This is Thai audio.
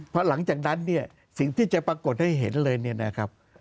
เพราะหลังจากนั้นเนี่ยสิ่งที่จะปรากฏให้เห็นเลยเนี่ยนะครับ